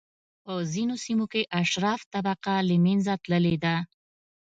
په ځینو سیمو کې اشراف طبقه له منځه تللې ده.